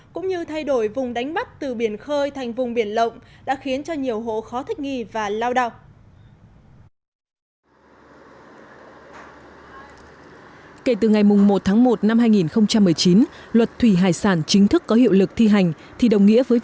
cũng như thay đổi vùng đánh bắt từ biển khơi thành vùng biển lộng đã khiến cho nhiều hộ khó thích nghi và lao đạo